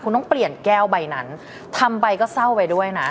คุณต้องเปลี่ยนแก้วใบนั้นทำใบก็เศร้าไปด้วยนะ